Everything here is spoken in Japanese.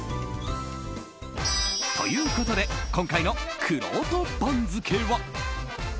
ということで今回のくろうと番付は。